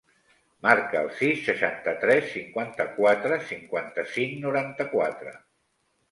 Marca el sis, seixanta-tres, cinquanta-quatre, cinquanta-cinc, noranta-quatre.